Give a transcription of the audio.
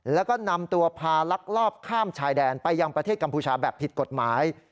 แล้วก็นำตัวพาลักลอบข้ามชายแดนไปยังประเทศกัมพูชาแบบผิดกฎหมาย